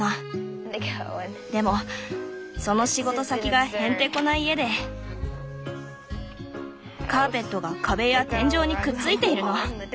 でもその仕事先がへんてこな家でカーペットが壁や天井にくっついているの。